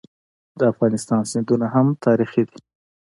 د افغانستان سیندونه هم تاریخي دي.